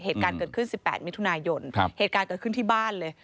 เหตุการณ์เกิดขึ้น๑๘มิถุนายนเหตุการณ์เกิดขึ้นที่บ้านเลย